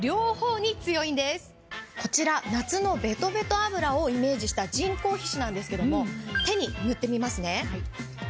こちら夏のベトベト脂をイメージした人工皮脂なんですけども手に塗ってみますね。